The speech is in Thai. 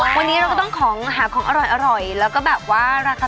วันนี้เราก็ต้องหาของอร่อยและราคาถูกกัน